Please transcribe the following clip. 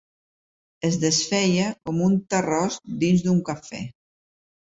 Es desfeia com un terròs dins d'un cafè.